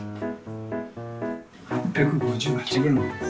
８５８グラムです。